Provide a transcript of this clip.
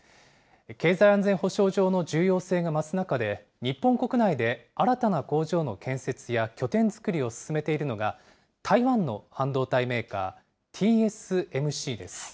経済安全保障上の重要性が増す中で、日本国内で新たな工場の建設や拠点作りを進めているのが、台湾の半導体メーカー、ＴＳＭＣです。